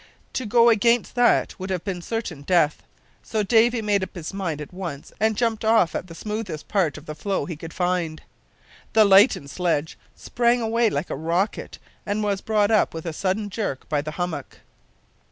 To go against that would have been certain death, so Davy made up his mind at once, and jumped off at the smoothest part of the floe he could find. The lightened sledge sprang away like a rocket, and was brought up with a sudden jerk by the hummock.